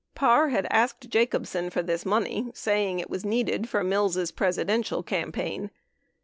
Parr had asked Jacobsen for this money, saying it was needed for Mills' Presidential campaign.